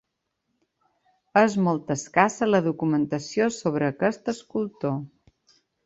És molt escassa la documentació sobre aquest escultor.